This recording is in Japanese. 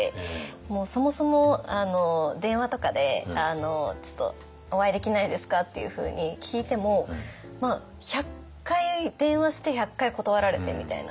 もうそもそも電話とかで「ちょっとお会いできないですか？」っていうふうに聞いても１００回電話して１００回断られてみたいな。